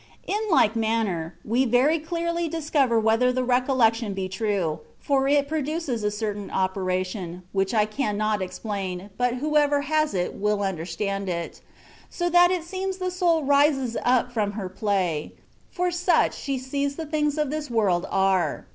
In like manner we very clearly discover whether the recollection be true, for it produces a certain operation (which I cannot explain, but whoever has it will understand it), so that it seems the soul rises up from her play, for such she sees the things of this world are.